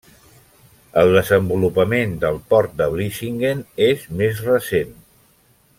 El desenvolupament del port de Vlissingen és més recent.